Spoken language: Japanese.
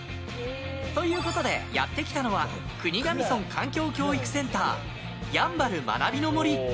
ということで、やってきたのは国頭村環境教育センターやんばる学びの森。